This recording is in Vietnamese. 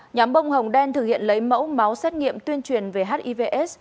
nhóm bông hồng đen thực hiện lấy mẫu máu xét nghiệm tuyên truyền về hivs